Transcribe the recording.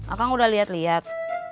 akang udah liat liat